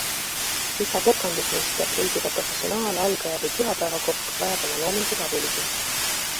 Iga kokandusmeister, olgu ta professionaal, algaja või pühapäevakokk, vajab oma loomingus abilisi.